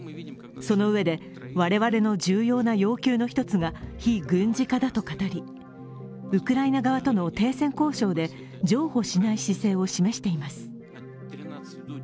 そのうえで、我々の重要な要求の一つが非軍事化だと語り、ウクライナ側との停戦交渉で譲歩しない姿勢を示しています。